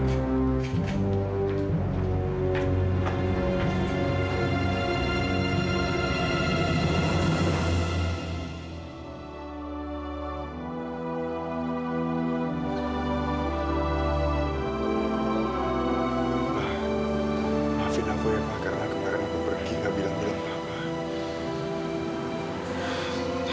ma maafin aku ya ma karena kemarin aku pergi gak bilang bilang papa